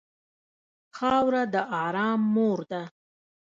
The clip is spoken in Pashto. خاوره د ارام مور ده.